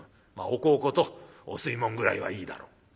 おこうことお吸い物ぐらいはいいだろう。